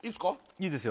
いいですよ